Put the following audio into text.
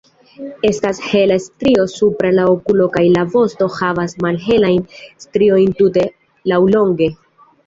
Estas hela strio supra la okulo kaj la vosto havas malhelajn striojn tute laŭlonge.